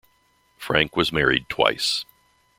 Frank was married twice.